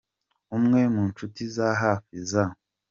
umwe mu nshuti za hafi za.